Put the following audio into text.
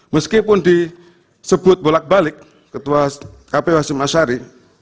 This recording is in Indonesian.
meskipun disebut bolak balik ketua kpu hashim ashari